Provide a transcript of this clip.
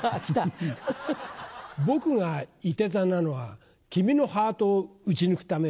僕が射手座なのは君のハートを撃ち抜くためよ。